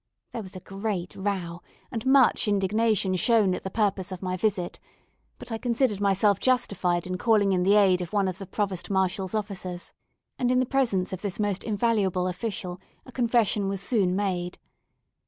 There was a great row, and much indignation shown at the purpose of my visit; but I considered myself justified in calling in the aid of one of the Provost marshal's officers, and, in the presence of this most invaluable official, a confession was soon made.